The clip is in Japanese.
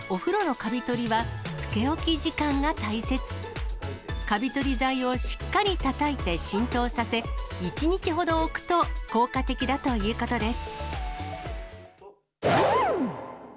かび取り剤をしっかりたたいて浸透させ、一日ほど置くと効果的だということです。